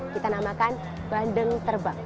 kita namakan bandeng terbang